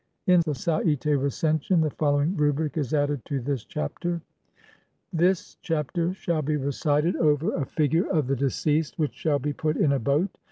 In the Sa'ite Recension (see Lepsius, op. cit., Bl. 74) the follow ing rubric is added to this Chapter : [THIS CHAPTER] SHALL BE RECITED OVER A FIGURE OF THE DECEASED WHICH SHALL BE PUT IN A BOAT.